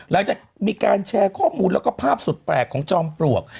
หลังจากมีการแชร์ข้อมูลแล้วก็ภาพสุดแปลกของจอมปลวก